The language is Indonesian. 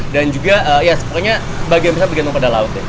dan juga ya pokoknya bagian besar bergantung pada laut ya